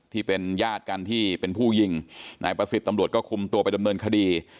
ที่เป็นญาติกันที่เป็นผู้ยิงนายประสิทธิ์ตำรวจก็คุมตัวไปดำเนินคดี